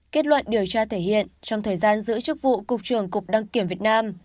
kết luận điều tra thể hiện trong thời gian giữ chức vụ cục trưởng cục đăng kiểm việt nam